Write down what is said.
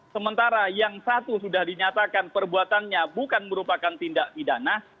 sementara yang satu sudah dinyatakan perbuatannya bukan merupakan tindak pidana